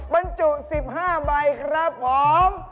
บรรจุ๑๕ใบครับผม